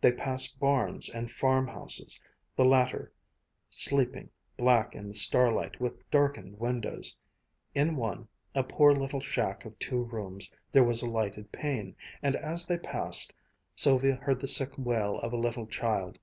They passed barns and farmhouses, the latter sleeping, black in the starlight, with darkened windows. In one, a poor little shack of two rooms, there was a lighted pane, and as they passed, Sylvia heard the sick wail of a little child.